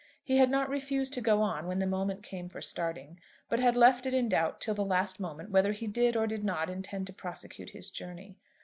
He had not refused to go on when the moment came for starting, but had left it in doubt till the last moment whether he did or did not intend to prosecute his journey.